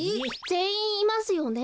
ぜんいんいますよね？